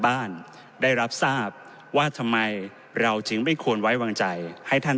บ้านได้รับทราบว่าทำไมเราจึงไม่ควรไว้วางใจให้ท่าน